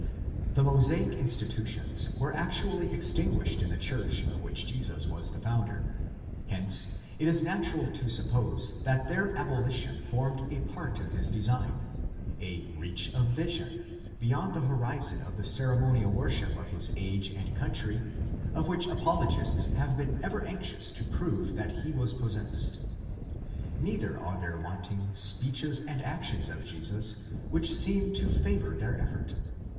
The Mosaic institutions were actually extinguished in the church of which Jesus was the founder ; hence it is natural to suppose that their abolition formed a part of his design :—a reach of vision, beyond the horizon of the ceremonial worship of his age and country, of which apologists have been ever anxious to prove that he was possessed.! Neither are there wanting speeches and actions of Jesus which seem to favour their effort.